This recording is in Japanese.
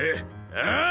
ああ！？